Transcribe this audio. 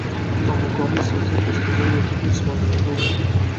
hatto muqobil siyosiy dasturlar yoki hech bo‘lmaganda ularning